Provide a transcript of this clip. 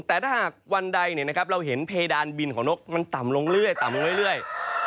แต่ถ้าหากวันใดเราเห็นเพดานบินของนกมันต่ำลงเรื่อยต่ำลงเรื่อย